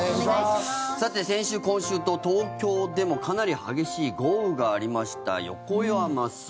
さて先週、今週と東京でもかなり激しい豪雨がありました。